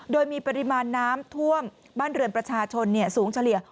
โดยมีปริมาณน้ำท่วมบ้านเรือนประชาชนสูงเฉลี่ย